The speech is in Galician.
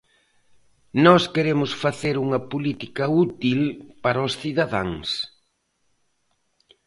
Nós queremos facer unha política útil para os cidadáns.